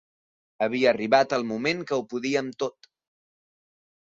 Havia arribat el moment que ho podíem tot.